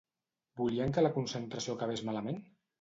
Volien que la concentració acabés malament?